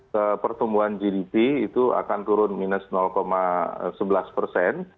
jadi pertumbuhan gdp itu akan turun minus sebelas persen